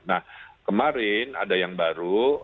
nah kemarin ada yang baru